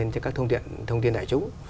cho các thông tin tài trúng